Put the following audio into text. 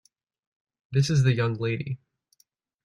This is the young lady.